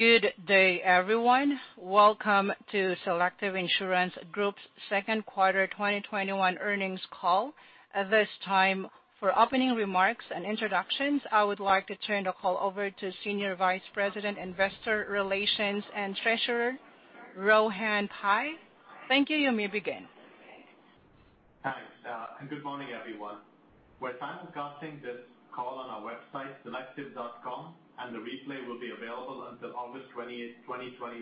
Good day, everyone. Welcome to Selective Insurance Group's second quarter 2021 earnings call. At this time, for opening remarks and introductions, I would like to turn the call over to Senior Vice President, Investor Relations and Treasurer, Rohan Pai. Thank you. You may begin. Thanks. Good morning, everyone. We're simulcasting this call on our website, selective.com, and the replay will be available until August 28, 2021.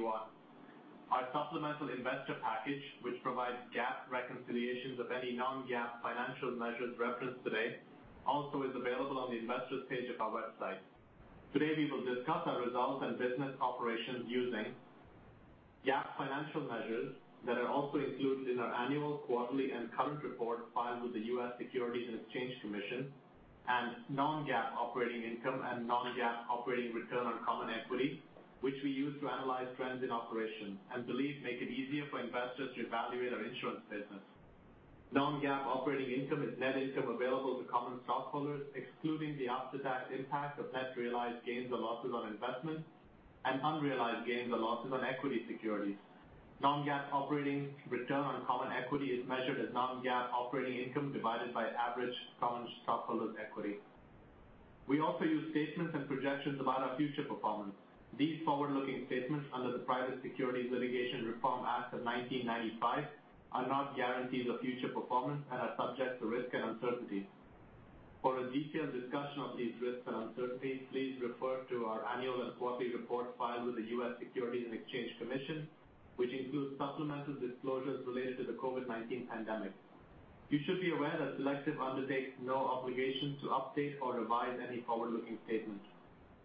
Our supplemental investor package, which provides GAAP reconciliations of any non-GAAP financial measures referenced today, also is available on the investor's page of our website. Today, we will discuss our results and business operations using GAAP financial measures that are also included in our annual, quarterly, and current report filed with the U.S. Securities and Exchange Commission, non-GAAP operating income and non-GAAP operating return on common equity, which we use to analyze trends in operations and believe make it easier for investors to evaluate our insurance business. Non-GAAP operating income is net income available to common stockholders, excluding the after-tax impact of net realized gains or losses on investments and unrealized gains or losses on equity securities. Non-GAAP operating return on common equity is measured as non-GAAP operating income divided by average common stockholders' equity. We also use statements and projections about our future performance. These forward-looking statements under the Private Securities Litigation Reform Act of 1995 are not guarantees of future performance and are subject to risk and uncertainties. For a detailed discussion of these risks and uncertainties, please refer to our annual and quarterly report filed with the U.S. Securities and Exchange Commission, which includes supplemental disclosures related to the COVID-19 pandemic. You should be aware that Selective undertakes no obligation to update or revise any forward-looking statements.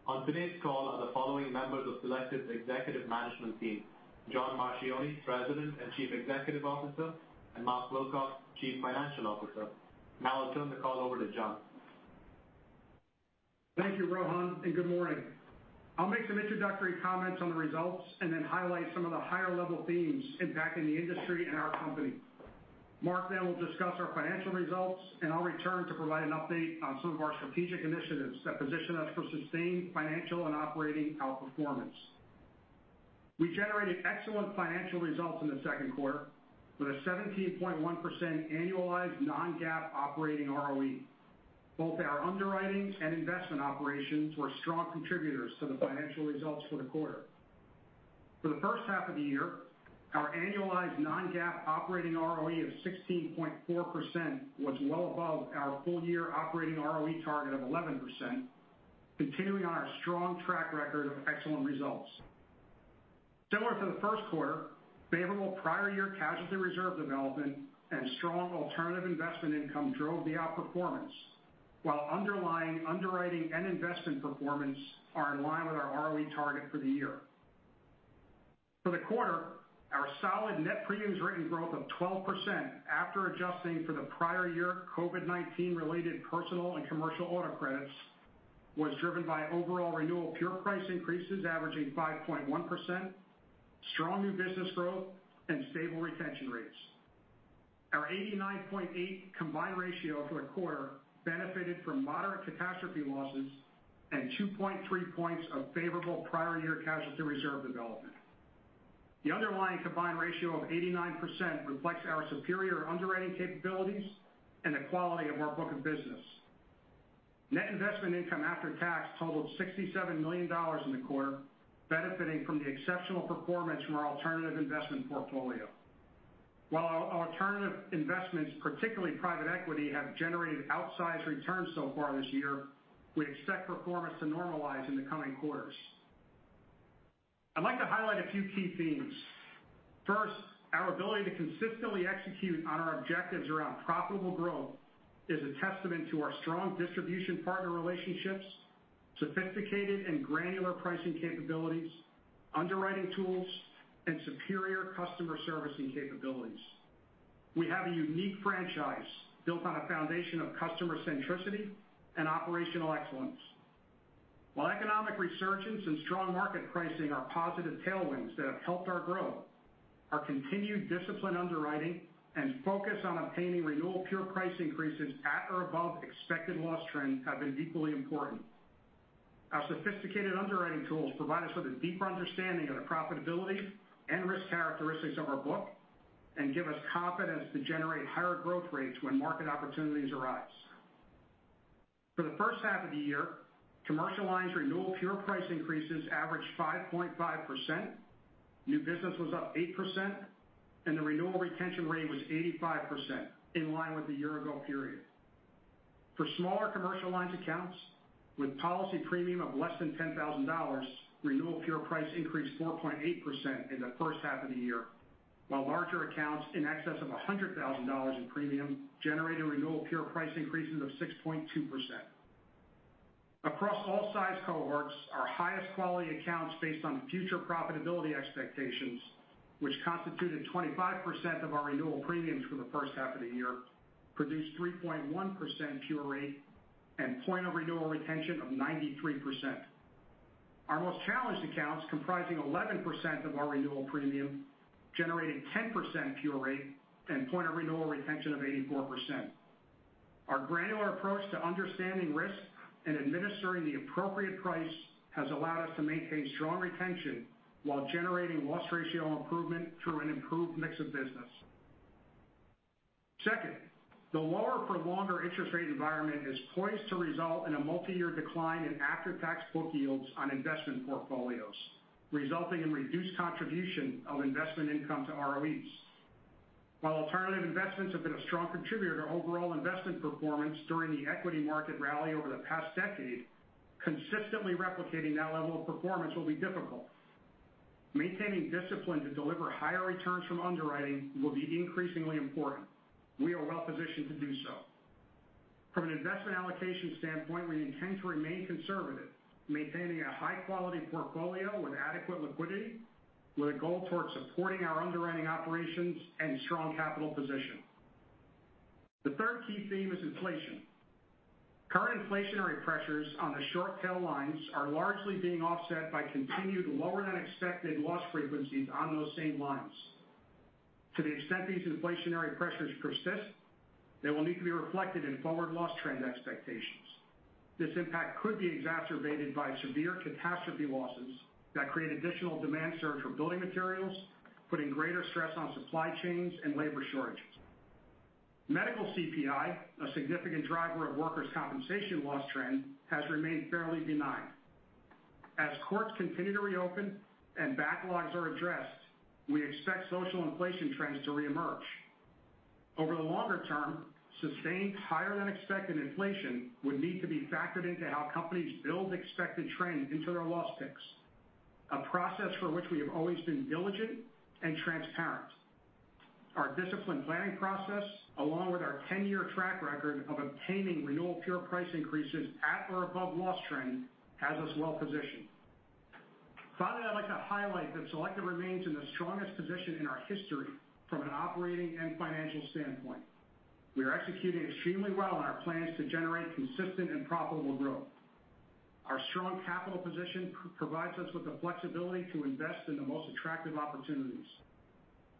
On today's call are the following members of Selective's executive management team, John Marchioni, President and Chief Executive Officer, and Mark Wilcox, Chief Financial Officer. I'll turn the call over to John. Thank you, Rohan. Good morning. I'll make some introductory comments on the results. I'll highlight some of the higher-level themes impacting the industry and our company. Mark will discuss our financial results. I'll return to provide an update on some of our strategic initiatives that position us for sustained financial and operating outperformance. We generated excellent financial results in the second quarter, with a 17.1% annualized non-GAAP operating ROE. Both our underwriting and investment operations were strong contributors to the financial results for the quarter. For the first half of the year, our annualized non-GAAP operating ROE of 16.4% was well above our full-year operating ROE target of 11%, continuing on our strong track record of excellent results. Similar to the first quarter, favorable prior year casualty reserve development and strong alternative investment income drove the outperformance. While underlying underwriting and investment performance are in line with our ROE target for the year. For the quarter, our solid net premiums written growth of 12% after adjusting for the prior year COVID-19 related personal and Commercial Auto credits, was driven by overall renewal pure price increases averaging 5.1%, strong new business growth, and stable retention rates. Our 89.8 combined ratio for the quarter benefited from moderate catastrophe losses and 2.3 points of favorable prior year casualty reserve development. The underlying combined ratio of 89% reflects our superior underwriting capabilities and the quality of our book of business. Net investment income after tax totaled $67 million in the quarter, benefiting from the exceptional performance from our alternative investment portfolio. While our alternative investments, particularly private equity, have generated outsized returns so far this year, we expect performance to normalize in the coming quarters. I'd like to highlight a few key themes. First, our ability to consistently execute on our objectives around profitable growth is a testament to our strong distribution partner relationships, sophisticated and granular pricing capabilities, underwriting tools, and superior customer servicing capabilities. We have a unique franchise built on a foundation of customer centricity and operational excellence. While economic resurgence and strong market pricing are positive tailwinds that have helped our growth, our continued disciplined underwriting and focus on obtaining renewal pure price increases at or above expected loss trends have been equally important. Our sophisticated underwriting tools provide us with a deeper understanding of the profitability and risk characteristics of our book and give us confidence to generate higher growth rates when market opportunities arise. For the first half of the year, commercial lines renewal pure price increases averaged 5.5%, new business was up 8%, and the renewal retention rate was 85%, in line with the year-ago period. For smaller commercial lines accounts, with policy premium of less than $10,000, renewal pure price increased 4.8% in the first half of the year, while larger accounts in excess of $100,000 in premium generated renewal pure price increases of 6.2%. Across all size cohorts, our highest quality accounts based on future profitability expectations, which constituted 25% of our renewal premiums for the first half of the year, produced 3.1% pure rate and point of renewal retention of 93%. Our most challenged accounts, comprising 11% of our renewal premium, generated 10% pure rate and point of renewal retention of 84%. Our granular approach to understanding risk and administering the appropriate price has allowed us to maintain strong retention while generating loss ratio improvement through an improved mix of business. Second, the lower for longer interest rate environment is poised to result in a multi-year decline in after-tax book yields on investment portfolios, resulting in reduced contribution of investment income to ROEs. While alternative investments have been a strong contributor to overall investment performance during the equity market rally over the past decade, consistently replicating that level of performance will be difficult. Maintaining discipline to deliver higher returns from underwriting will be increasingly important. We are well-positioned to do so. From an investment allocation standpoint, we intend to remain conservative, maintaining a high-quality portfolio with adequate liquidity, with a goal towards supporting our underwriting operations and strong capital position. The third key theme is inflation. Current inflationary pressures on the short tail lines are largely being offset by continued lower than expected loss frequencies on those same lines. To the extent these inflationary pressures persist, they will need to be reflected in forward loss trend expectations. This impact could be exacerbated by severe catastrophe losses that create additional demand surge for building materials, putting greater stress on supply chains and labor shortages. Medical CPI, a significant driver of Workers' Compensation loss trend, has remained fairly benign. As courts continue to reopen and backlogs are addressed, we expect social inflation trends to reemerge. Over the longer term, sustained higher than expected inflation would need to be factored into how companies build expected trend into their loss picks, a process for which we have always been diligent and transparent. Our disciplined planning process, along with our 10-year track record of obtaining renewal pure price increases at or above loss trend, has us well-positioned. I'd like to highlight that Selective remains in the strongest position in our history from an operating and financial standpoint. We are executing extremely well on our plans to generate consistent and profitable growth. Our strong capital position provides us with the flexibility to invest in the most attractive opportunities.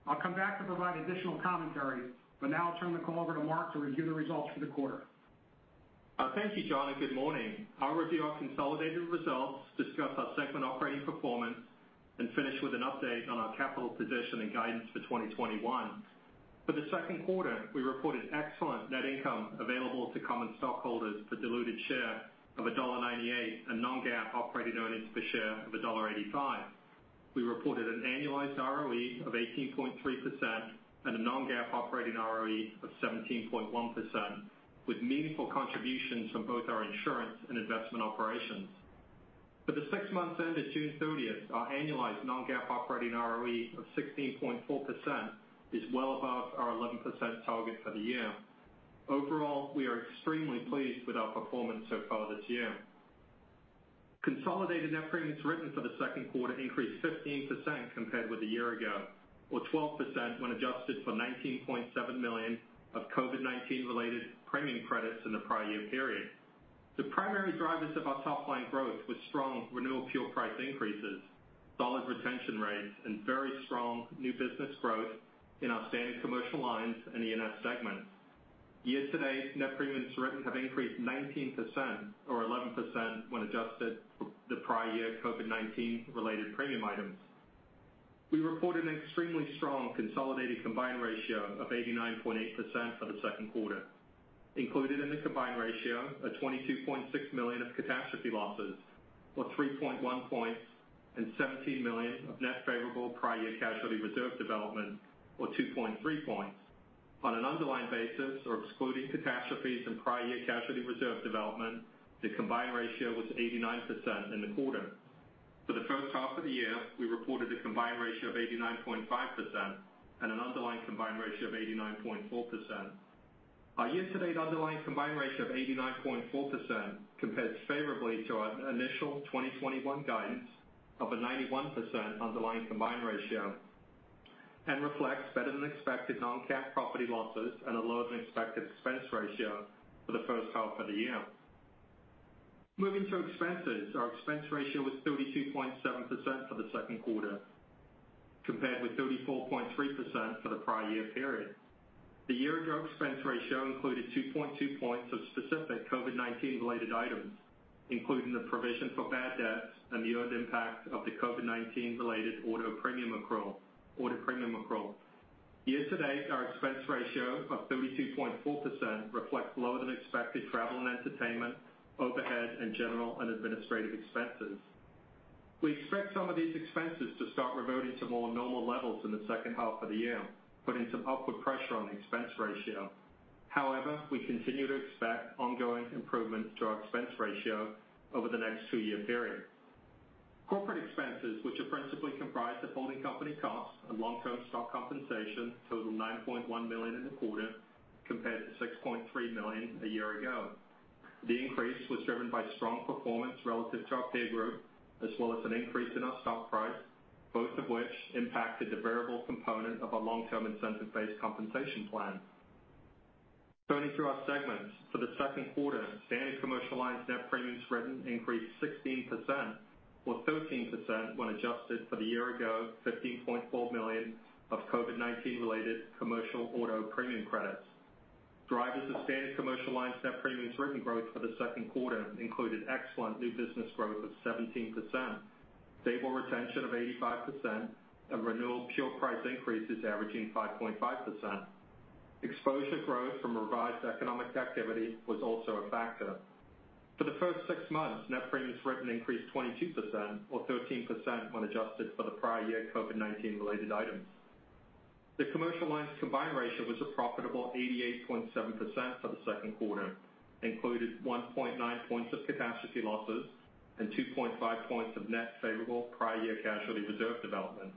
I'll come back to provide additional commentary, but now I'll turn the call over to Mark to review the results for the quarter. Thank you, John, and good morning. I'll review our consolidated results, discuss our segment operating performance, and finish with an update on our capital position and guidance for 2021. For the second quarter, we reported excellent net income available to common stockholders for diluted share of $1.98, and non-GAAP operating earnings per share of $1.85. We reported an annualized ROE of 18.3% and a non-GAAP operating ROE of 17.1%, with meaningful contributions from both our insurance and investment operations. For the six months ended June 30th, our annualized non-GAAP operating ROE of 16.4% is well above our 11% target for the year. Overall, we are extremely pleased with our performance so far this year. Consolidated net premiums written for the second quarter increased 15% compared with a year ago, or 12% when adjusted for $19.7 million of COVID-19 related premium credits in the prior year period. The primary drivers of our top-line growth was strong renewal pure price increases, solid retention rates, and very strong new business growth in our Standard Commercial Lines and E&S segments. Year to date, net premiums written have increased 19%, or 11% when adjusted for the prior year COVID-19 related premium items. We reported an extremely strong consolidated combined ratio of 89.8% for the second quarter. Included in the combined ratio are $22.6 million of catastrophe losses, or 3.1 points, and $17 million of net favorable prior year casualty reserve development, or 2.3 points. On an underlying basis, or excluding catastrophes and prior year casualty reserve development, the combined ratio was 89% in the quarter. For the first half of the year, we reported a combined ratio of 89.5% and an underlying combined ratio of 89.4%. Our year-to-date underlying combined ratio of 89.4% compares favorably to our initial 2021 guidance of a 91% underlying combined ratio and reflects better than expected non-GAAP property losses and a lower than expected expense ratio for the first half of the year. Moving to expenses, our expense ratio was 32.7% for the second quarter, compared with 34.3% for the prior year period. The year-over-year expense ratio included 2.2 points of specific COVID-19 related items, including the provision for bad debts and the impact of the COVID-19 related auto premium accrual. Year-to-date, our expense ratio of 32.4% reflects lower than expected travel and entertainment, overhead, and general and administrative expenses. We expect some of these expenses to start reverting to more normal levels in the second half of the year, putting some upward pressure on the expense ratio. We continue to expect ongoing improvement to our expense ratio over the next two-year period. Corporate expenses, which are principally comprised of holding company costs and long-term stock compensation, total $9.1 million in the quarter compared to $6.3 million a year ago. The increase was driven by strong performance relative to our peer group, as well as an increase in our stock price, both of which impacted the variable component of our long-term incentive-based compensation plan. Turning to our segments. For the second quarter, Standard Commercial Lines net premiums written increased 16%, or 13% when adjusted for the year ago $15.4 million of COVID-19 related Commercial Auto premium credits. Drivers of Standard Commercial Lines net premiums written growth for the second quarter included excellent new business growth of 17%, stable retention of 85%, and renewal pure price increases averaging 5.5%. Exposure growth from revised economic activity was also a factor. For the first six months, net premiums written increased 22%, or 13% when adjusted for the prior year COVID-19 related items. The Commercial Lines combined ratio was a profitable 88.7% for the second quarter, included 1.9 points of catastrophe losses and 2.5 points of net favorable prior year casualty reserve development.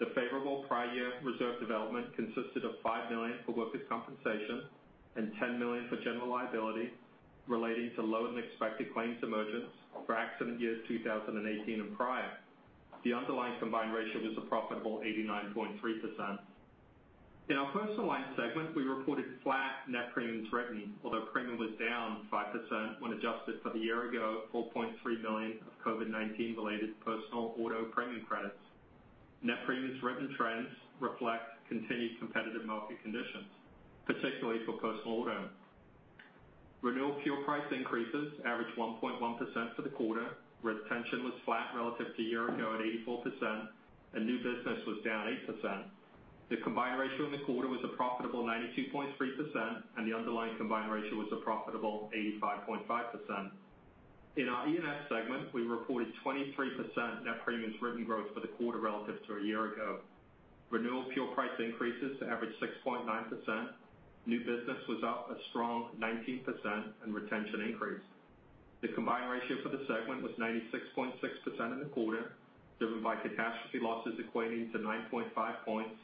The favorable prior year reserve development consisted of $5 million for Workers' Compensation and $10 million for General Liability relating to lower-than-expected claims emergence for accident years 2018 and prior. The underlying combined ratio was a profitable 89.3%. In our Personal Lines segment, we reported flat net premiums written, although premium was down 5% when adjusted for the year ago $4.3 million of COVID-19 related Personal Auto premium credits. Net premiums written trends reflect continued competitive market conditions, particularly for Personal Auto. Renewal pure price increases averaged 1.1% for the quarter. Retention was flat relative to year ago at 84%, and new business was down 8%. The combined ratio in the quarter was a profitable 92.3%, and the underlying combined ratio was a profitable 85.5%. In our E&S segment, we reported 23% net premiums written growth for the quarter relative to a year ago. Renewal pure price increases averaged 6.9%. New business was up a strong 19%, and retention increased. The combined ratio for the segment was 96.6% in the quarter, driven by catastrophe losses equating to 9.5 points,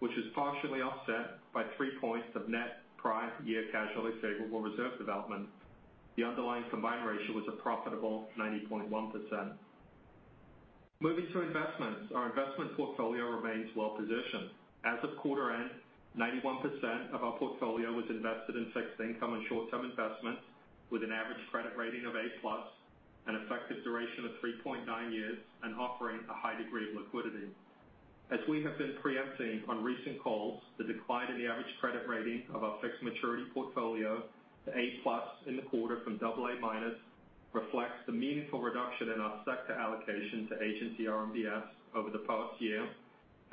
which is partially offset by three points of net prior year casualty favorable reserve development. The underlying combined ratio was a profitable 90.1%. Moving to investments. Our investment portfolio remains well-positioned. As of quarter end, 91% of our portfolio was invested in fixed income and short-term investments with an average credit rating of A+, an effective duration of 3.9 years, and offering a high degree of liquidity. As we have been preempting on recent calls, the decline in the average credit rating of our fixed maturity portfolio to A+ in the quarter from AA- reflects the meaningful reduction in our sector allocation to agency RMBS over the past year,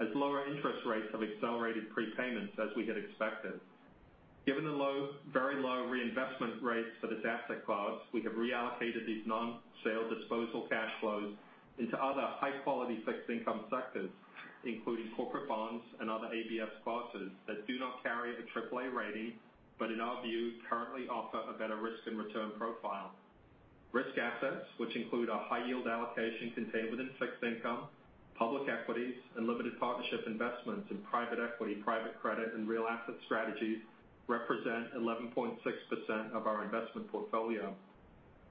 as lower interest rates have accelerated prepayments as we had expected. Given the very low reinvestment rates for this asset class, we have reallocated these non-sale disposal cash flows into other high-quality fixed income sectors, including corporate bonds and other ABS sponsors that do not carry a AAA rating, but in our view, currently offer a better risk and return profile. Risk assets, which include our high yield allocation contained within fixed income, public equities, and limited partnership investments in private equity, private credit, and real asset strategies, represent 11.6% of our investment portfolio.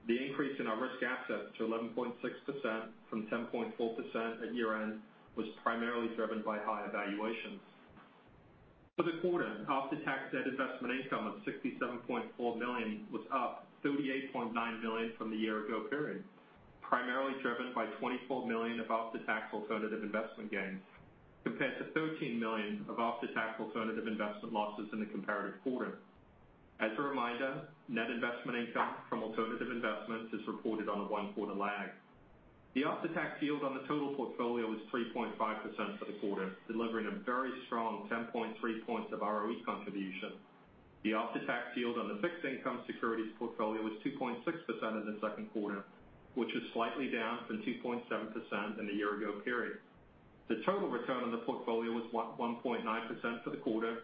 The increase in our risk assets to 11.6% from 10.4% at year-end was primarily driven by high evaluations. For the quarter, after-tax net investment income of $67.4 million was up $38.9 million from the year ago period, primarily driven by $24 million of after-tax alternative investment gains, compared to $13 million of after-tax alternative investment losses in the comparative quarter. As a reminder, net investment income from alternative investments is reported on a one-quarter lag. The after-tax yield on the total portfolio was 3.5% for the quarter, delivering a very strong 10.3 points of ROE contribution. The after-tax yield on the fixed income securities portfolio was 2.6% in the second quarter, which is slightly down from 2.7% in the year ago period. The total return on the portfolio was 1.9% for the quarter,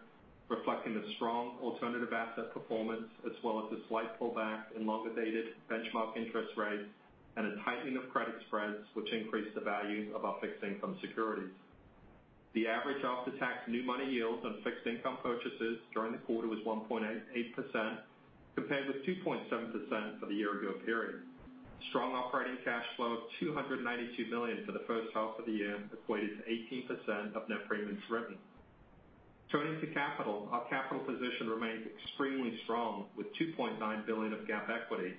reflecting the strong alternative asset performance, as well as a slight pullback in longer-dated benchmark interest rates and a tightening of credit spreads, which increased the value of our fixed income securities. The average after-tax new money yields on fixed income purchases during the quarter was 1.8%, compared with 2.7% for the year ago period. Strong operating cash flow of $292 million for the first half of the year equated to 18% of net premiums written. Turning to capital. Our capital position remains extremely strong with $2.9 billion of GAAP equity.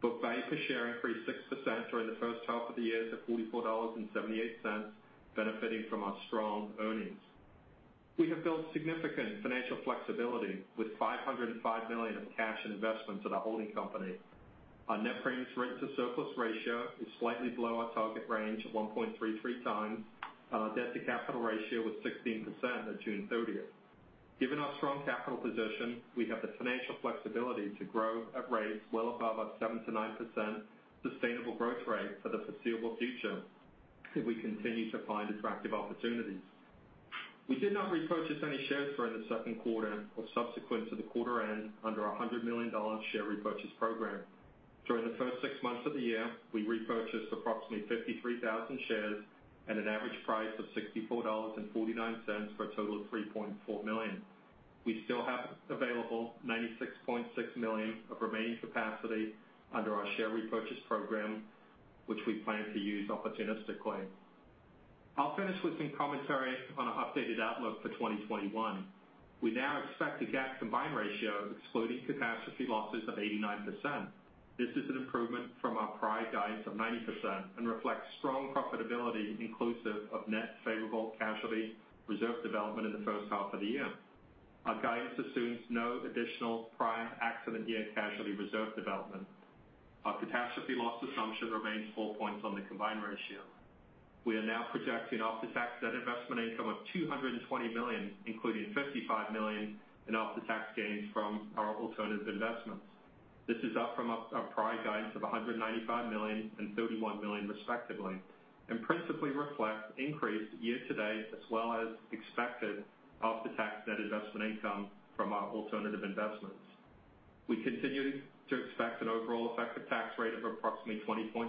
Book value per share increased 6% during the first half of the year to $44.78, benefiting from our strong earnings. We have built significant financial flexibility with $505 million of cash and investments at our holding company. Our net premiums written to surplus ratio is slightly below our target range of 1.33 times. Our debt-to-capital ratio was 16% at June 30th. Given our strong capital position, we have the financial flexibility to grow at rates well above our 7%-9% sustainable growth rate for the foreseeable future if we continue to find attractive opportunities. We did not repurchase any shares during the second quarter or subsequent to the quarter end under our $100 million share repurchase program. During the first six months of the year, we repurchased approximately 53,000 shares at an average price of $64.49 for a total of $3.4 million. We still have available $96.6 million of remaining capacity under our share repurchase program, which we plan to use opportunistically. I'll finish with some commentary on our updated outlook for 2021. We now expect a GAAP combined ratio excluding catastrophe losses of 89%. This is an improvement from our prior guidance of 90% and reflects strong profitability inclusive of net favorable casualty reserve development in the first half of the year. Our guidance assumes no additional prior accident year casualty reserve development. Our catastrophe loss assumption remains four points on the combined ratio. We are now projecting after-tax net investment income of $220 million, including $55 million in after-tax gains from our alternative investments. This is up from our prior guidance of $195 million and $31 million respectively, and principally reflects increased year-to-date as well as expected after-tax net investment income from our alternative investments. We continue to expect an overall effective tax rate of approximately 20.5%,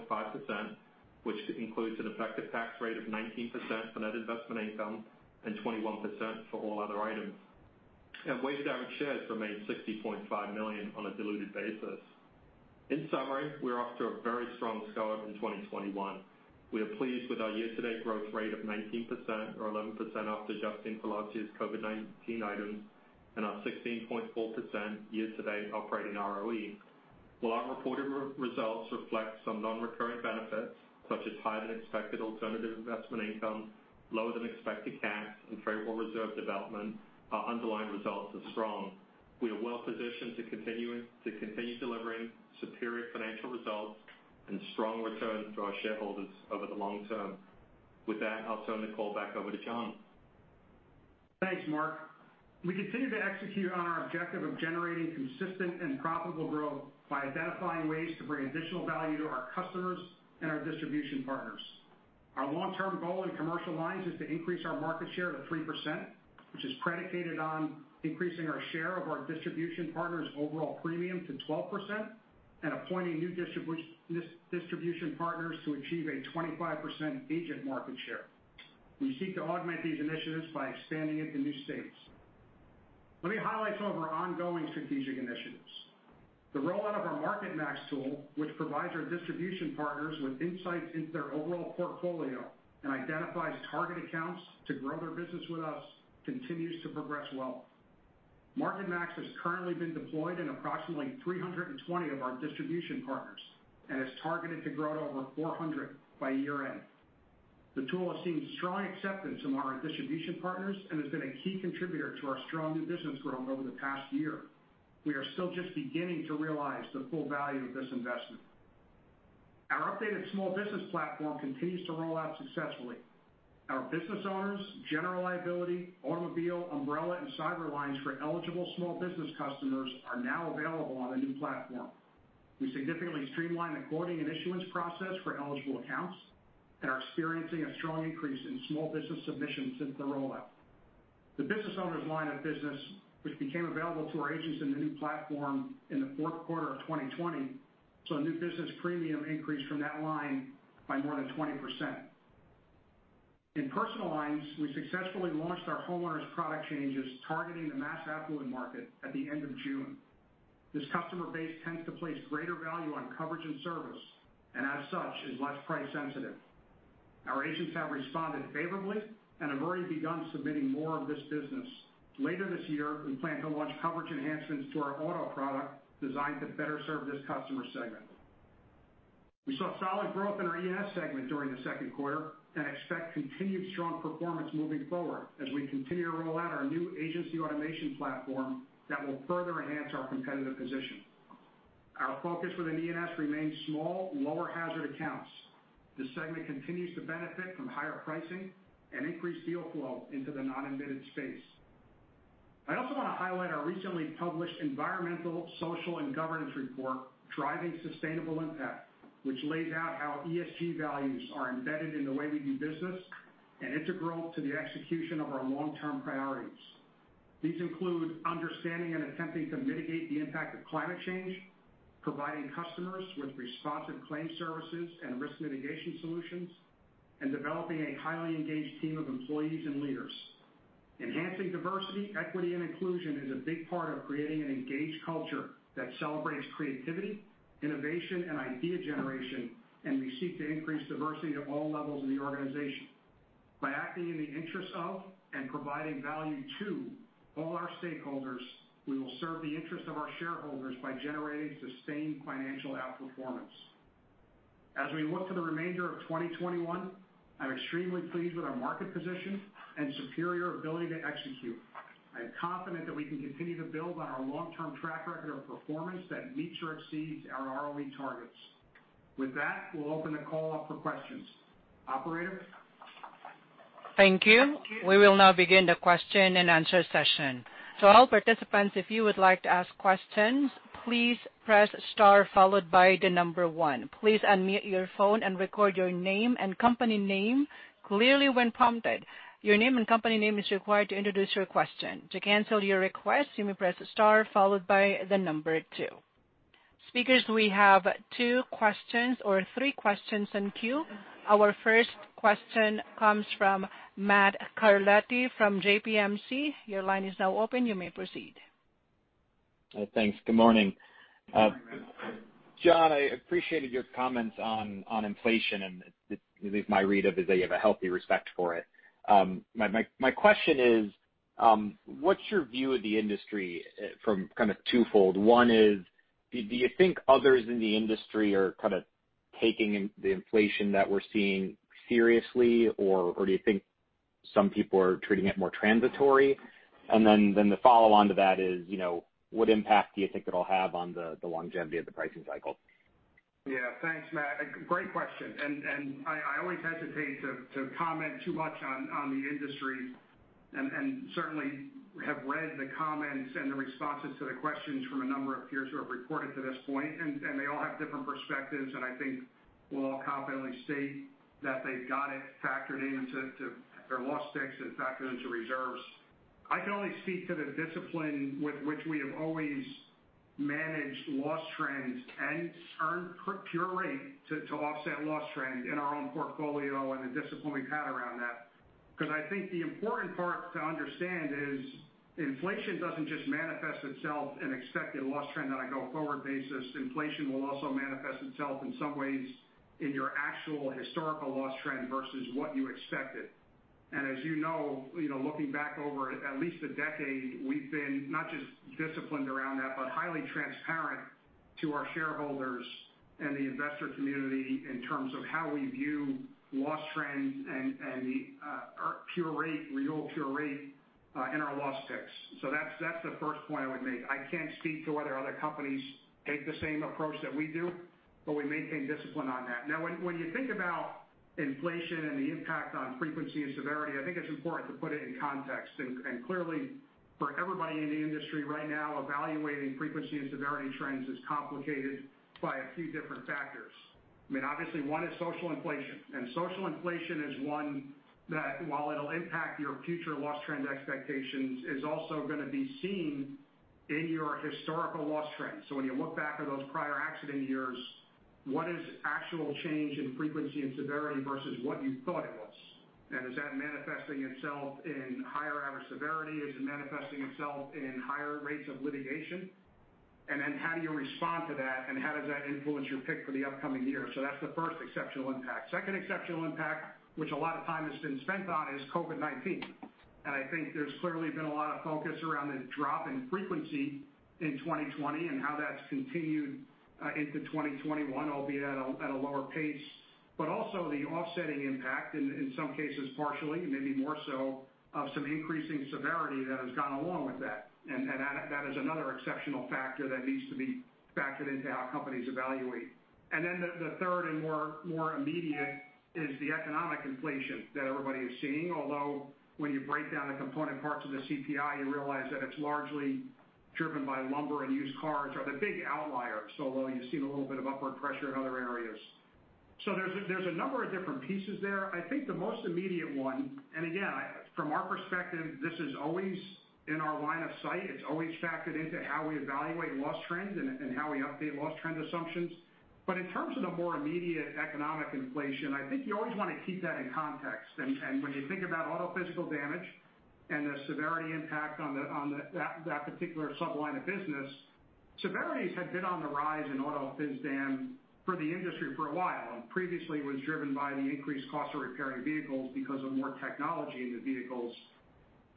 which includes an effective tax rate of 19% for net investment income and 21% for all other items. Weighted average shares remain 60.5 million on a diluted basis. In summary, we're off to a very strong start in 2021. We are pleased with our year-to-date growth rate of 19%, or 11% after adjusting for last year's COVID-19 items, and our 16.4% year-to-date operating ROE. While our reported results reflect some non-recurring benefits such as higher-than-expected alternative investment income, lower-than-expected CAT and favorable reserve development, our underlying results are strong. We are well-positioned to continue delivering superior financial results and strong returns to our shareholders over the long term. With that, I'll turn the call back over to John. Thanks, Mark. We continue to execute on our objective of generating consistent and profitable growth by identifying ways to bring additional value to our customers and our distribution partners. Our long-term goal in Commercial Lines is to increase our market share to 3%, which is predicated on increasing our share of our distribution partners' overall premium to 12% and appointing new distribution partners to achieve a 25% agent market share. We seek to augment these initiatives by expanding into new states. Let me highlight some of our ongoing strategic initiatives. The rollout of our Market Max tool, which provides our distribution partners with insights into their overall portfolio and identifies target accounts to grow their business with us, continues to progress well. Market Max has currently been deployed in approximately 320 of our distribution partners and is targeted to grow to over 400 by year-end. The tool has seen strong acceptance among our distribution partners and has been a key contributor to our strong new business growth over the past year. We are still just beginning to realize the full value of this investment. Our updated small business platform continues to roll out successfully. Our Business Owners, General Liability, automobile, umbrella, and cyber lines for eligible small business customers are now available on the new platform. We significantly streamlined the quoting and issuance process for eligible accounts and are experiencing a strong increase in small business submissions since the rollout. The Business Owners line of business, which became available to our agents in the new platform in the fourth quarter of 2020, saw new business premium increase from that line by more than 20%. In Personal Lines, we successfully launched our homeowners product changes targeting the mass affluent market at the end of June. This customer base tends to place greater value on coverage and service, as such, is less price-sensitive. Our agents have responded favorably and have already begun submitting more of this business. Later this year, we plan to launch coverage enhancements to our auto product designed to better serve this customer segment. We saw solid growth in our E&S segment during the second quarter and expect continued strong performance moving forward as we continue to roll out our new agency automation platform that will further enhance our competitive position. Our focus within E&S remains small, lower hazard accounts. This segment continues to benefit from higher pricing and increased deal flow into the non-admitted space. I also want to highlight our recently published environmental, social, and governance report, Driving Sustainable Impact, which lays out how ESG values are embedded in the way we do business and integral to the execution of our long-term priorities. These include understanding and attempting to mitigate the impact of climate change, providing customers with responsive claim services and risk mitigation solutions, and developing a highly engaged team of employees and leaders. Enhancing diversity, equity, and inclusion is a big part of creating an engaged culture that celebrates creativity, innovation, and idea generation. We seek to increase diversity at all levels of the organization. By acting in the interests of and providing value to all our stakeholders, we will serve the interests of our shareholders by generating sustained financial outperformance. As we look to the remainder of 2021, I'm extremely pleased with our market position and superior ability to execute. I am confident that we can continue to build on our long-term track record of performance that meets or exceeds our ROE targets. With that, we'll open the call up for questions. Operator? Thank you. We will now begin the question and answer session. To all participants, if you would like to ask questions, please press star followed by the number 1. Please unmute your phone and record your name and company name clearly when prompted. Your name and company name is required to introduce your question. To cancel your request, you may press star followed by the number 2. Speakers, we have two questions or three questions in queue. Our first question comes from Matt Carletti from JMP Securities. Your line is now open. You may proceed. Thanks. Good morning. Good morning, Matt. John, I appreciated your comments on inflation. At least my read of it is that you have a healthy respect for it. My question is, what's your view of the industry from kind of twofold? One is, do you think others in the industry are taking the inflation that we're seeing seriously, or do you think some people are treating it more transitory? Then, the follow-on to that is, what impact do you think it'll have on the longevity of the pricing cycle? Yeah, thanks, Matt. Great question. I always hesitate to comment too much on the industry, and certainly have read the comments and the responses to the questions from a number of peers who have reported to this point, and they all have different perspectives, and I think we'll all confidently state that they've got it factored into their loss sticks and factored into reserves. I can only speak to the discipline with which we have always managed loss trends and earned pure rate to offset loss trend in our own portfolio and the discipline we've had around that. I think the important part to understand is inflation doesn't just manifest itself in expected loss trend on a go-forward basis. Inflation will also manifest itself in some ways in your actual historical loss trend versus what you expected. As you know, looking back over at least a decade, we've been not just disciplined around that, but highly transparent to our shareholders and the investor community in terms of how we view loss trends and our pure rate, renewal pure rate, and our loss picks. That's the first point I would make. I can't speak to whether other companies take the same approach that we do, but we maintain discipline on that. When you think about inflation and the impact on frequency and severity, I think it's important to put it in context. Clearly for everybody in the industry right now, evaluating frequency and severity trends is complicated by a few different factors. Obviously, one is social inflation. Social inflation is one that, while it'll impact your future loss trend expectations, is also going to be seen in your historical loss trends. When you look back at those prior accident years, what is the actual change in frequency and severity versus what you thought it was? Is that manifesting itself in higher average severity? Is it manifesting itself in higher rates of litigation? How do you respond to that, and how does that influence your pick for the upcoming year? That's the first exceptional impact. Second exceptional impact, which a lot of time has been spent on, is COVID-19. I think there's clearly been a lot of focus around the drop in frequency in 2020 and how that's continued into 2021, albeit at a lower pace. Also the offsetting impact, in some cases, partially, maybe more so, of some increasing severity that has gone along with that. That is another exceptional factor that needs to be factored into how companies evaluate. The third and more immediate is the economic inflation that everybody is seeing. Although when you break down the component parts of the CPI, you realize that it's largely driven by lumber and used cars are the big outlier. While you've seen a little bit of upward pressure in other areas. There's a number of different pieces there. I think the most immediate one, and again, from our perspective, this is always in our line of sight. It's always factored into how we evaluate loss trends and how we update loss trend assumptions. In terms of the more immediate economic inflation, I think you always want to keep that in context. When you think about auto physical damage and the severity impact on that particular sub-line of business, severities had been on the rise in auto phys dam for the industry for a while, and previously was driven by the increased cost of repairing vehicles because of more technology in the vehicles.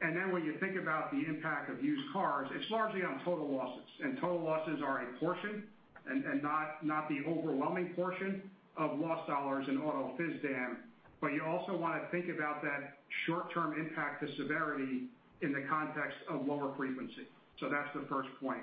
When you think about the impact of used cars, it's largely on total losses, and total losses are a portion and not the overwhelming portion of loss dollars in auto phys dam. You also want to think about that short-term impact to severity in the context of lower frequency. That's the first point.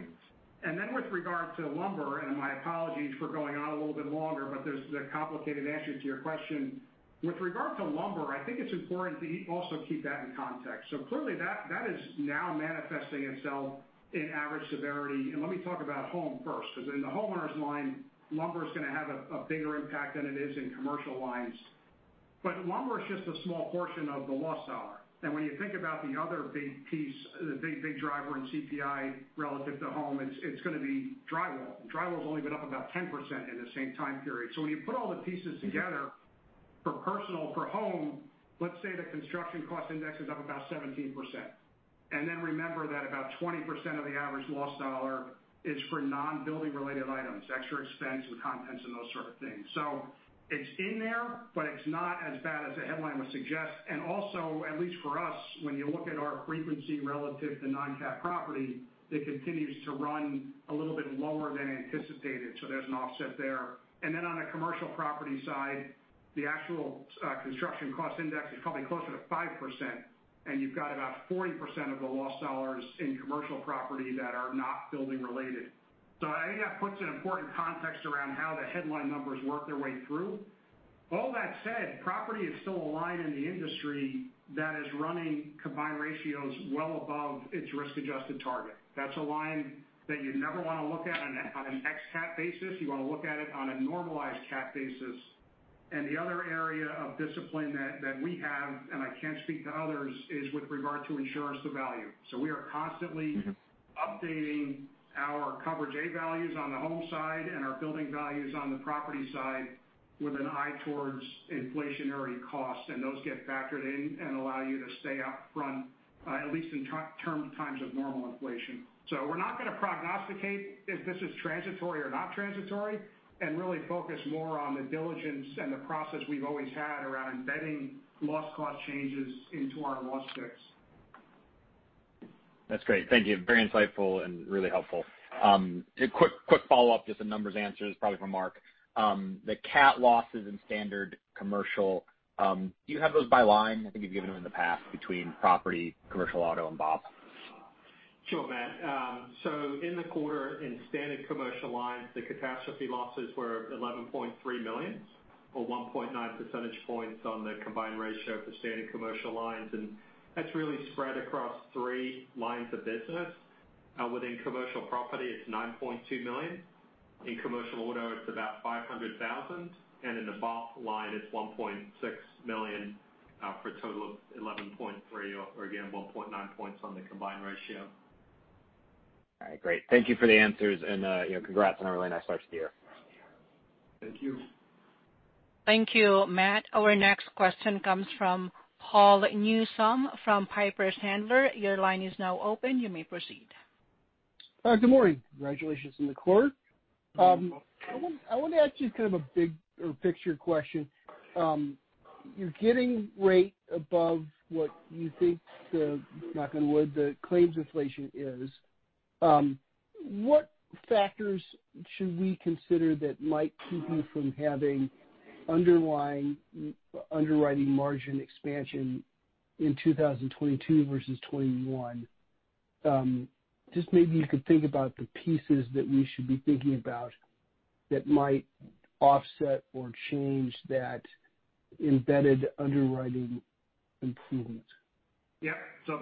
With regard to lumber, and my apologies for going on a little bit longer, there's the complicated answer to your question. With regard to lumber, I think it's important to also keep that in context. Clearly that is now manifesting itself in average severity. Let me talk about home first, because in the homeowners line, lumber is going to have a bigger impact than it is in commercial lines. Lumber is just a small portion of the loss dollar. When you think about the other big piece, the big driver in CPI relative to home, it's going to be drywall. Drywall's only been up about 10% in the same time period. When you put all the pieces together for Personal, for home, let's say the construction cost index is up about 17%. Remember that about 20% of the average loss dollar is for non-building related items, extra expense and contents and those sort of things. It's in there, but it's not as bad as the headline would suggest. At least for us, when you look at our frequency relative to non-CAT property, it continues to run a little bit lower than anticipated. There's an offset there. On a Commercial Property side, the actual construction cost index is probably closer to 5% and you've got about 40% of the loss dollars in Commercial Property that are not building related. I think that puts an important context around how the headline numbers work their way through. All that said, property is still a line in the industry that is running combined ratios well above its risk-adjusted target. That's a line that you never want to look at on an ex CAT basis. You want to look at it on a normalized CAT basis. The other area of discipline that we have, and I can't speak to others, is with regard to insurance to value. We are constantly updating our coverage A values on the home side and our building values on the property side with an eye towards inflationary costs, and those get factored in and allow you to stay up front, at least in times of normal inflation. We're not going to prognosticate if this is transitory or not transitory and really focus more on the diligence and the process we've always had around embedding loss cost changes into our loss picks. That's great. Thank you. Very insightful and really helpful. A quick follow-up, just some numbers answers probably for Mark. The CAT losses in Standard Commercial, do you have those by line? I think you've given them in the past between property, Commercial Auto, and BOP. Sure, Matt. In the quarter, in Standard Commercial Lines, the catastrophe losses were $11.3 million or 1.9 percentage points on the combined ratio for Standard Commercial Lines. That's really spread across three lines of business. Within Commercial Property, it's $9.2 million. In Commercial Auto, it's about $500,000. In the BOP line, it's $1.6 million, for a total of $11.3 or again, 1.9 points on the combined ratio. All right, great. Thank you for the answers and congrats on a really nice first year. Thank you. Thank you, Matt. Our next question comes from Paul Newsome from Piper Sandler. Your line is now open. You may proceed. Good morning. Congratulations on the quarter. You're welcome. I want to ask you kind of a big picture question. You're getting rate above what you think the, knock on wood, the claims inflation is. What factors should we consider that might keep you from having underwriting margin expansion in 2022 versus 2021? Just maybe you could think about the pieces that we should be thinking about that might offset or change that embedded underwriting improvement.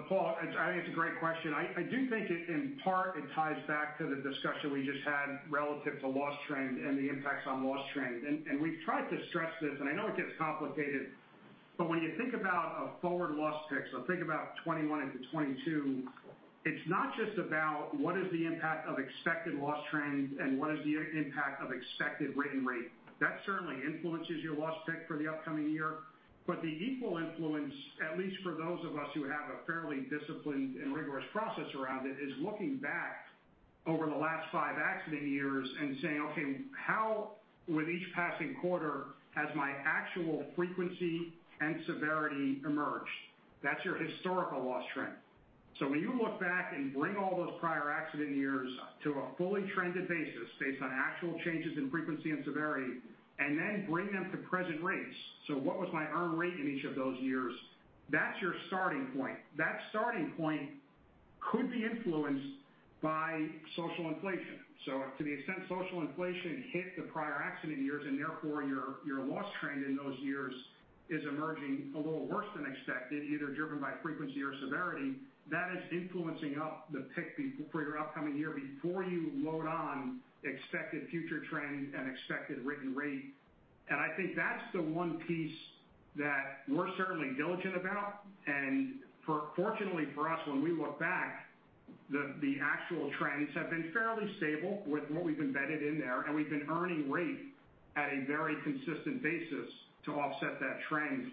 Paul, I think it's a great question. I do think in part it ties back to the discussion we just had relative to loss trend and the impacts on loss trend. We've tried to stress this, and I know it gets complicated, but when you think about a forward loss pick, so think about 2021 into 2022, it's not just about what is the impact of expected loss trends and what is the impact of expected written rate. That certainly influences your loss pick for the upcoming year. The equal influence, at least for those of us who have a fairly disciplined and rigorous process around it, is looking back over the last five accident years and saying, okay, how with each passing quarter has my actual frequency and severity emerged? That's your historical loss trend. When you look back and bring all those prior accident years to a fully trended basis based on actual changes in frequency and severity, then bring them to present rates, what was my earned rate in each of those years? That's your starting point. That starting point could be influenced by social inflation. To the extent social inflation hit the prior accident years and therefore your loss trend in those years is emerging a little worse than expected, either driven by frequency or severity, that is influencing up the pick for your upcoming year before you load on expected future trends and expected written rate. I think that's the one piece that we're certainly diligent about. Fortunately for us, when we look back, the actual trends have been fairly stable with what we've embedded in there, and we've been earning rate at a very consistent basis to offset that trend.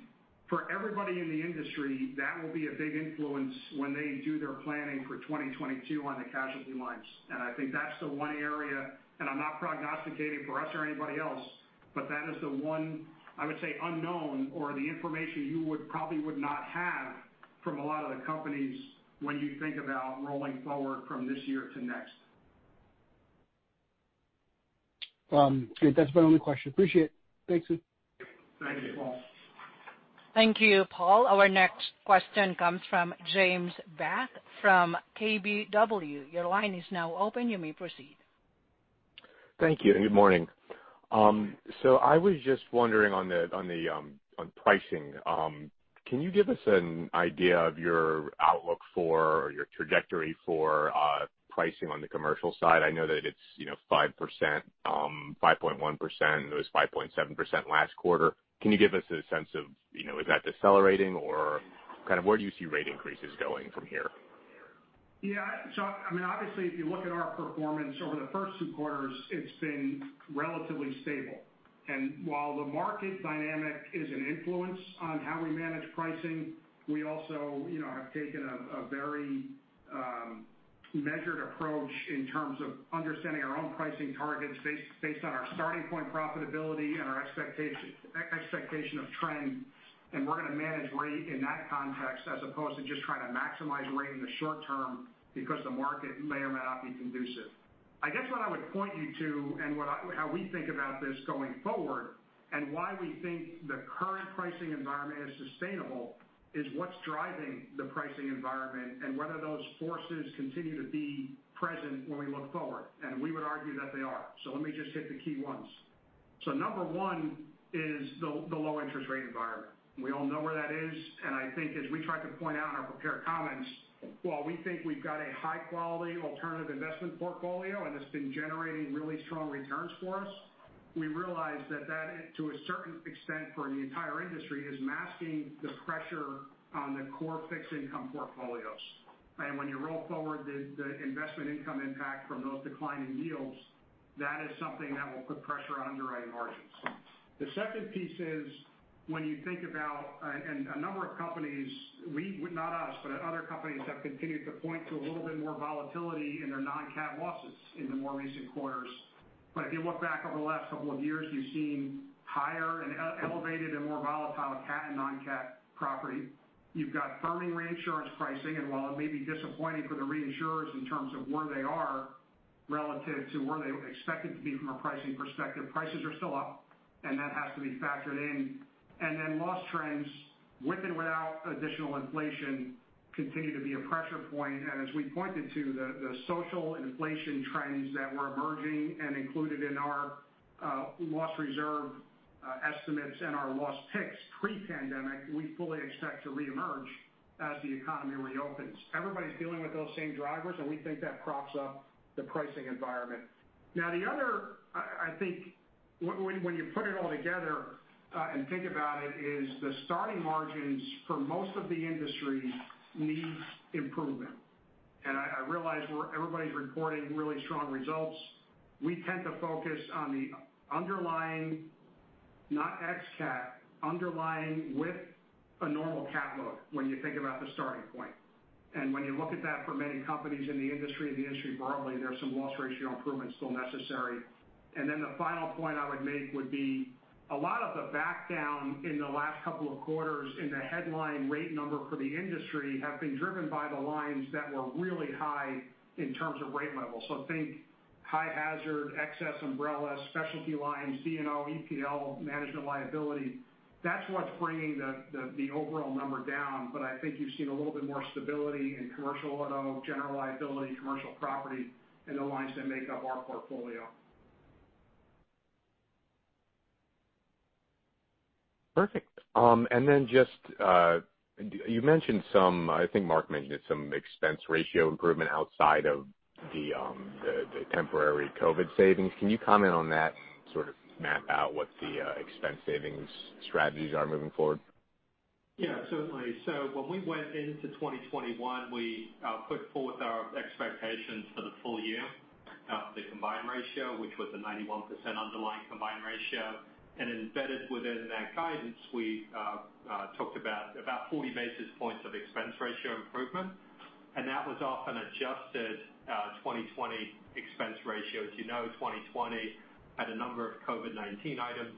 For everybody in the industry, that will be a big influence when they do their planning for 2022 on the casualty lines. I think that's the one area, and I'm not prognosticating for us or anybody else, but that is the one, I would say unknown or the information you would probably would not have from a lot of the companies when you think about rolling forward from this year to next. Good. That's my only question. Appreciate it. Thanks. Thank you, Paul. Thank you, Paul. Our next question comes from Meyer Shields from KBW. Your line is now open. You may proceed. Thank you, and good morning. I was just wondering on pricing, can you give us an idea of your outlook for, or your trajectory for, pricing on the commercial side? I know that it's 5%, 5.1%, it was 5.7% last quarter. Can you give us a sense of is that decelerating or kind of where do you see rate increases going from here? Yeah. Obviously, if you look at our performance over the first two quarters, it's been relatively stable. While the market dynamic is an influence on how we manage pricing, we also have taken a very measured approach in terms of understanding our own pricing targets based on our starting point profitability and our expectation of trend, we're going to manage rate in that context as opposed to just trying to maximize rate in the short term because the market may or may not be conducive. I guess what I would point you to and how we think about this going forward and why we think the current pricing environment is sustainable is what's driving the pricing environment and whether those forces continue to be present when we look forward. We would argue that they are. Let me just hit the key ones. Number one is the low interest rate environment. We all know where that is, and I think as we tried to point out in our prepared comments, while we think we've got a high-quality alternative investment portfolio and it's been generating really strong returns for us, we realize that that, to a certain extent for the entire industry, is masking the pressure on the core fixed income portfolios. When you roll forward the investment income impact from those declining yields, that is something that will put pressure on underwriting margins. The second piece is when you think about, a number of companies, not us, but other companies have continued to point to a little bit more volatility in their non-cat losses in the more recent quarters. If you look back over the last couple of years, you've seen higher and elevated and more volatile cat and non-cat property. You've got firming reinsurance pricing, and while it may be disappointing for the reinsurers in terms of where they are relative to where they expected to be from a pricing perspective, prices are still up, and that has to be factored in. Loss trends, with or without additional inflation, continue to be a pressure point. As we pointed to, the social inflation trends that were emerging and included in our loss reserve estimates and our loss picks pre-pandemic, we fully expect to reemerge as the economy reopens. Everybody's dealing with those same drivers, and we think that props up the pricing environment. The other, I think when you put it all together and think about it, is the starting margins for most of the industry needs improvement. I realize everybody's reporting really strong results. We tend to focus on the underlying, not ex cat, underlying with a normal cat load when you think about the starting point. When you look at that for many companies in the industry and the industry broadly, there's some loss ratio improvement still necessary. The final point I would make would be a lot of the back down in the last couple of quarters in the headline rate number for the industry have been driven by the lines that were really high in terms of rate level. So think high hazard, excess umbrella, specialty lines, D&O, EPL, management liability. That's what's bringing the overall number down. I think you've seen a little bit more stability in Commercial Auto, General Liability, Commercial Property, and the lines that make up our portfolio. Perfect. Just, you mentioned some, I think Mark mentioned some expense ratio improvement outside of the temporary COVID savings. Can you comment on that and sort of map out what the expense savings strategies are moving forward? Certainly. When we went into 2021, we put forth our expectations for the full year of the combined ratio, which was a 91% underlying combined ratio. Embedded within that guidance, we talked about 40 basis points of expense ratio improvement, and that was off an adjusted 2020 expense ratio. As you know, 2020 had a number of COVID-19 items.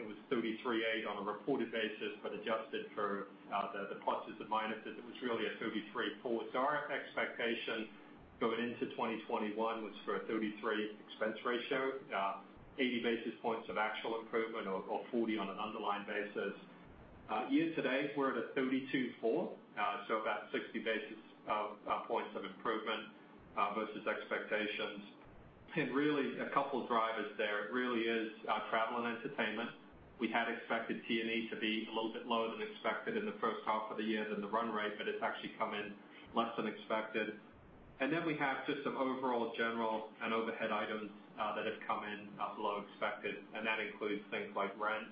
It was 33.8 on a reported basis, but adjusted for the pluses and minuses, it was really a 33.4. Our expectation going into 2021 was for a 33 expense ratio, 80 basis points of actual improvement or 40 on an underlying basis. Year to date, we're at a 32.4, so about 60 basis points of improvement versus expectations. Really, a couple of drivers there. It really is travel and entertainment. We had expected T&E to be a little bit lower than expected in the first half of the year than the run rate, but it's actually come in less than expected. Then we have just some overall general and overhead items that have come in below expected, and that includes things like rent,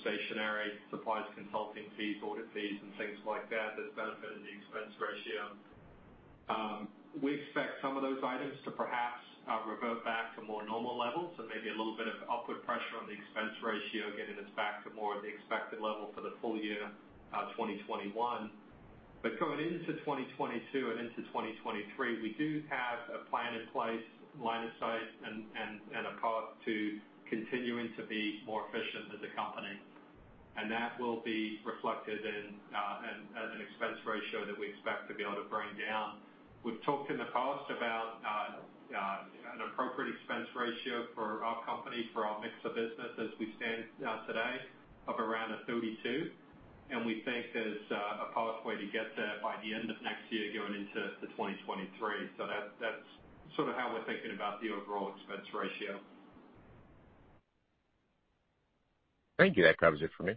stationery, supplies, consulting fees, audit fees, and things like that's benefiting the expense ratio. We expect some of those items to perhaps revert back to more normal levels. Maybe a little bit of upward pressure on the expense ratio, getting us back to more of the expected level for the full year 2021. Going into 2022 and into 2023, we do have a plan in place, line of sight, and a path to continuing to be more efficient as a company. That will be reflected in an expense ratio that we expect to be able to bring down. We've talked in the past about an appropriate expense ratio for our company, for our mix of business as we stand today of around a 32. We think there's a pathway to get there by the end of next year going into 2023. That's sort of how we're thinking about the overall expense ratio. Thank you. That covers it for me.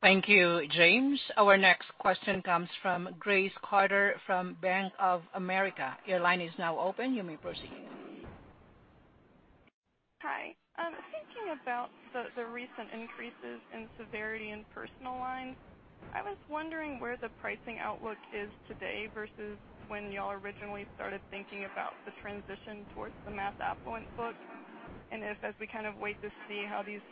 Thank you, James. Our next question comes from Grace Carter from Bank of America. Your line is now open. You may proceed. Hi. Thinking about the recent increases in severity in Personal Lines, I was wondering where the pricing outlook is today versus when y'all originally started thinking about the transition towards the mass affluent book. If as we kind of wait to see how these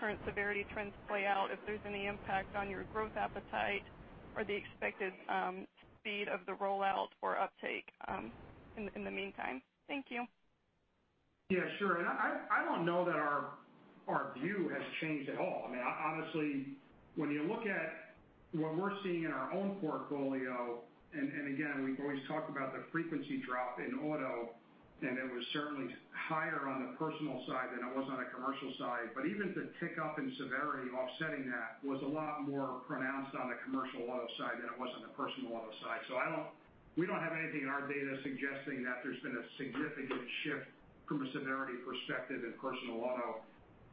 current severity trends play out, if there's any impact on your growth appetite or the expected speed of the rollout or uptake in the meantime. Thank you. Yeah, sure. I don't know that our view has changed at all. I mean, honestly, when you look at what we're seeing in our own portfolio, and again, we've always talked about the frequency drop in auto, and it was certainly higher on the personal side than it was on the commercial side. Even the tick up in severity offsetting that was a lot more pronounced on the Commercial Auto side than it was on the Personal Auto side. We don't have anything in our data suggesting that there's been a significant shift from a severity perspective in Personal Auto.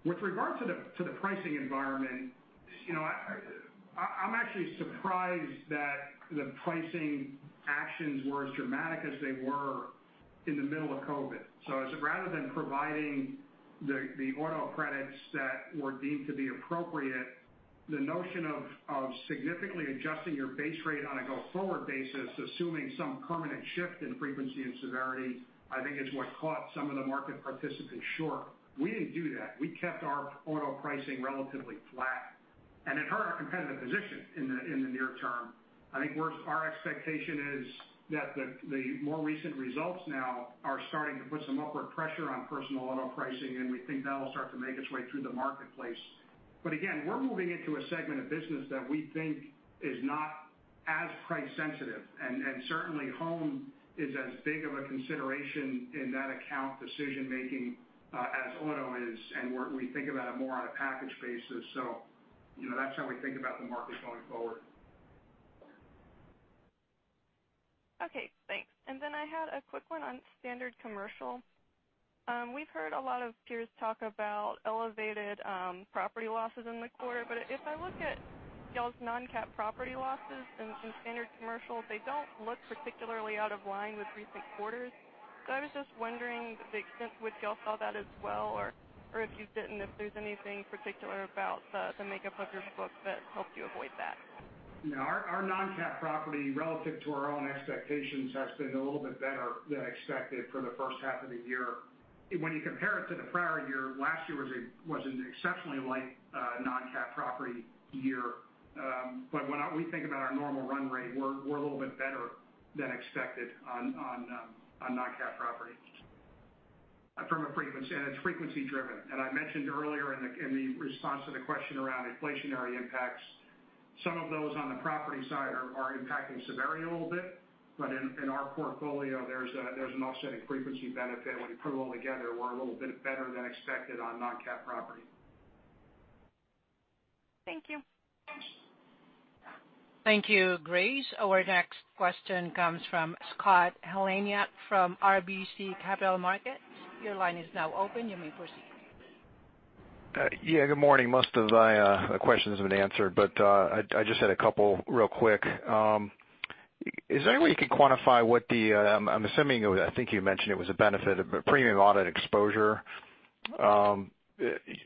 With regard to the pricing environment, I'm actually surprised that the pricing actions were as dramatic as they were in the middle of COVID. Rather than providing the auto credits that were deemed to be appropriate, the notion of significantly adjusting your base rate on a go-forward basis, assuming some permanent shift in frequency and severity, I think is what caught some of the market participants short. We didn't do that. We kept our auto pricing relatively flat. It hurt our competitive position in the near term. I think our expectation is that the more recent results now are starting to put some upward pressure on Personal Auto pricing, and we think that'll start to make its way through the marketplace. Again, we're moving into a segment of business that we think is not as price sensitive, and certainly home is as big of a consideration in that account decision-making as auto is, and we think about it more on a package basis. That's how we think about the market going forward. Okay, thanks. Then I had a quick one on Standard Commercial Lines. We've heard a lot of peers talk about elevated property losses in the quarter, but if I look at y'all's non-cat property losses in Standard Commercial Lines, they don't look particularly out of line with recent quarters. I was just wondering the extent which y'all saw that as well, or if you didn't, if there's anything particular about the makeup of your book that helped you avoid that. No, our non-cat property relative to our own expectations has been a little bit better than expected for the first half of the year. When you compare it to the prior year, last year was an exceptionally light non-cat property year. When we think about our normal run rate, we're a little bit better than expected on non-cat property. From a frequency, and it's frequency-driven. I mentioned earlier in the response to the question around inflationary impacts, some of those on the property side are impacting severity a little bit. In our portfolio, there's an offsetting frequency benefit. When you put it all together, we're a little bit better than expected on non-cat property. Thank you. Thank you, Grace. Our next question comes from Scott Heleniak from RBC Capital Markets. Your line is now open. You may proceed. Yeah, good morning. Most of my questions have been answered, but I just had a couple real quick. Is there any way you can quantify what the, I'm assuming, I think you mentioned it was a benefit of premium audit exposure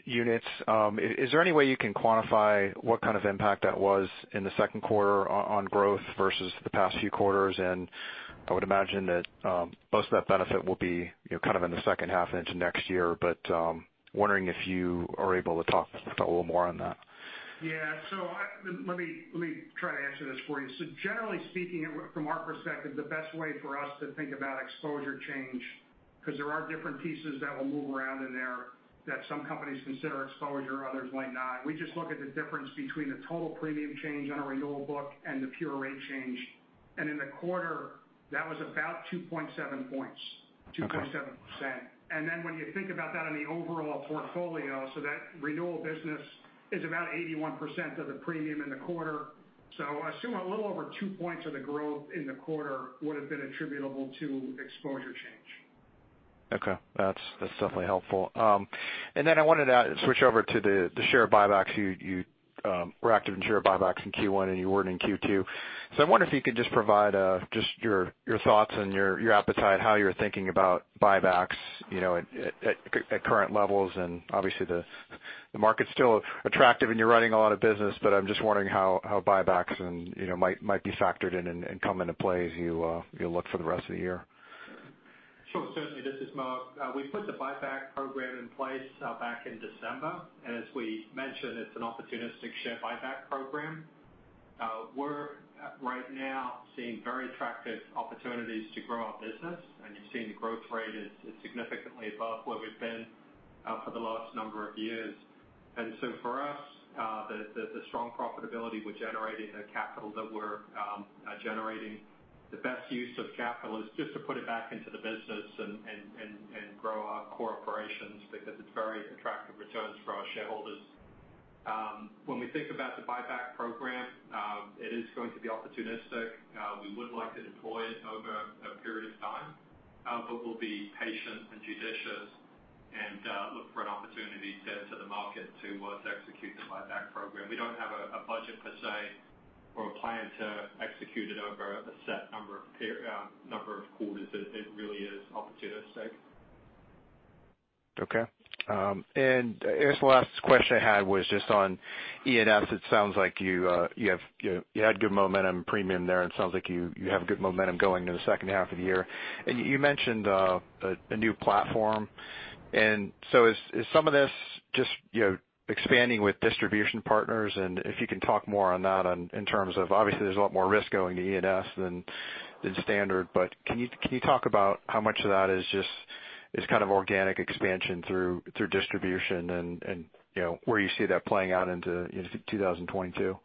units. Is there any way you can quantify what kind of impact that was in the second quarter on growth versus the past few quarters? I would imagine that most of that benefit will be kind of in the second half into next year, but wondering if you are able to talk just a little more on that. Yeah. Let me try to answer this for you. Generally speaking, from our perspective, the best way for us to think about exposure change, because there are different pieces that will move around in there that some companies consider exposure, others might not. We just look at the difference between the total premium change on a renewal book and the pure rate change. In the quarter, that was about 2.7 points, 2.7%. When you think about that in the overall portfolio, that renewal business is about 81% of the premium in the quarter. Assume a little over 2 points of the growth in the quarter would've been attributable to exposure change. Okay. That's definitely helpful. I wanted to switch over to the share buybacks. You were active in share buybacks in Q1, and you weren't in Q2. I wonder if you could just provide just your thoughts and your appetite, how you're thinking about buybacks at current levels, and obviously the market's still attractive, and you're running a lot of business, but I'm just wondering how buybacks might be factored in and come into play as you look for the rest of the year. Sure. Certainly, this is Mo. We put the buyback program in place back in December. As we mentioned, it's an opportunistic share buyback program. We're right now seeing very attractive opportunities to grow our business. You've seen the growth rate is significantly above where we've been for the last number of years. For us, the strong profitability we're generating, the capital that we're generating, the best use of capital is just to put it back into the business and grow our core operations because it's very attractive returns for our shareholders. When we think about the buyback program, it is going to be opportunistic. We would like to deploy it over a period of time. We'll be patient and judicious and look for an opportunity to enter the market to execute the buyback program. We don't have a budget per se or a plan to execute it over a set number of quarters. It really is opportunistic. Okay. I guess the last question I had was just on E&S. It sounds like you had good momentum premium there. It sounds like you have good momentum going into the second half of the year. You mentioned a new platform. Is some of this just expanding with distribution partners? If you can talk more on that in terms of, obviously, there's a lot more risk going to E&S than standard, but can you talk about how much of that is just kind of organic expansion through distribution and where you see that playing out into 2022?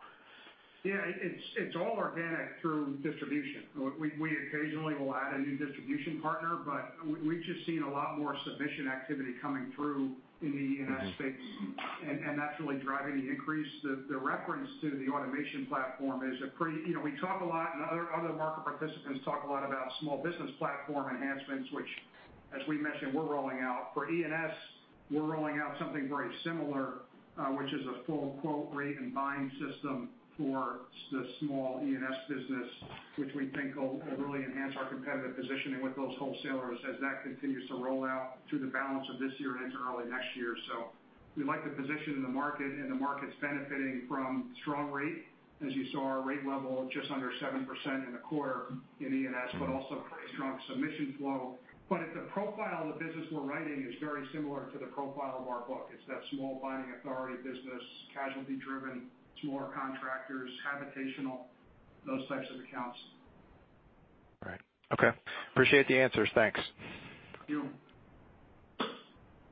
Yeah, it's all organic through distribution. We occasionally will add a new distribution partner. We've just seen a lot more submission activity coming through in the E&S space. That's really driving the increase. The reference to the automation platform is. We talk a lot, and other market participants talk a lot about small business platform enhancements, which as we mentioned, we're rolling out. For E&S, we're rolling out something very similar, which is a full quote rate and bind system for the small E&S business, which we think will really enhance our competitive positioning with those wholesalers as that continues to roll out through the balance of this year and into early next year. We like the position in the market. The market's benefiting from strong rate. As you saw, our rate level just under 7% in the quarter in E&S, but also pretty strong submission flow. The profile of the business we're writing is very similar to the profile of our book. It's that small binding authority business, casualty-driven, smaller contractors, habitational, those types of accounts. Right. Okay. Appreciate the answers. Thanks. Thank you.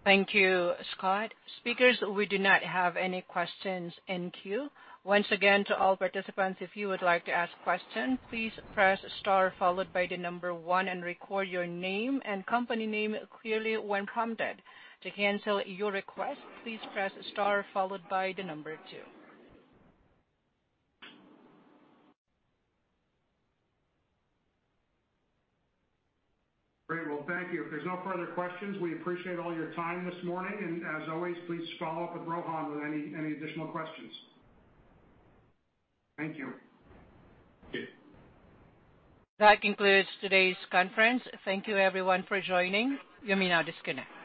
Thank you, Scott. Speakers, we do not have any questions in queue. Once again, to all participants, if you would like to ask questions, please press star followed by the number one and record your name and company name clearly when prompted. To cancel your request, please press star followed by the number two. Great. Well, thank you. If there's no further questions, we appreciate all your time this morning, and as always, please follow up with Rohan with any additional questions. Thank you. Thank you. That concludes today's conference. Thank you everyone for joining. You may now disconnect.